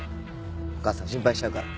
お母さん心配しちゃうから。